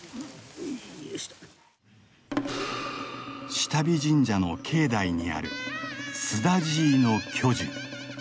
志多備神社の境内にあるスダジイの巨樹。